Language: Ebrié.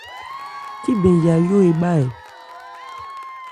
Cíbɛn Yayó ebhá bhá ɛ ?